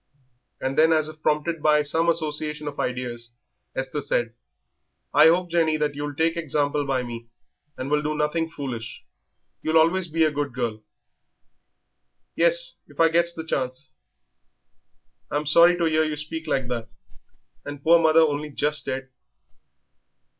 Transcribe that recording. And then, as if prompted by some association of ideas, Esther said, "I hope, Jenny, that you'll take example by me and will do nothing foolish; you'll always be a good girl." "Yes, if I gets the chance." "I'm sorry to 'ear you speak like that, and poor mother only just dead."